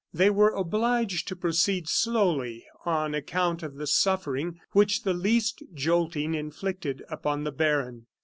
They were obliged to proceed slowly on account of the suffering which the least jolting inflicted upon the baron.